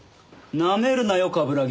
なめるなよ冠城亘。